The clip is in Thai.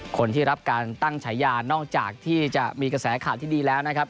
คนที่รับการตั้งฉายานอกจากที่จะมีกระแสข่าวที่ดีแล้วนะครับ